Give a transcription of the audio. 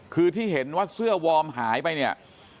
คือที่เห็นว่าเสื้อวอร์มหายไปเนี่ย